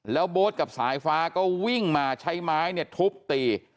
แล้วโบ๊ทกับสายฟ้าก็วิ่งมาใช้ไม้เนี่ยทุบตี